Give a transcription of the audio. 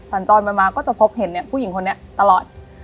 สัญจรไปมาก็จะพบเห็นผู้หญิงคนนี้ตลอด